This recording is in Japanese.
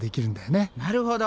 なるほど。